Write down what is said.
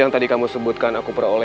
hai guru kukai jabat